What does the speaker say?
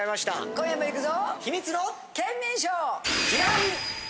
今夜も行くぞ！